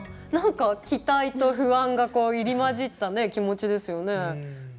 何か期待と不安が入り交じった気持ちですよね。